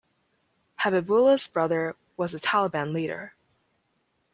Habibullah's brother was a Taliban leader.